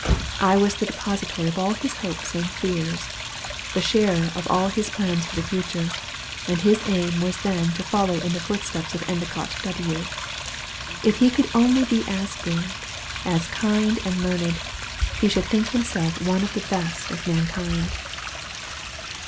I was the depository of all his hopes and fears, the sharer of all his plans for the future; and his aim was then to follow in the footsteps of Endicott W. If he could only be as good, as kind and learned, he should think himself one of the best of mankind.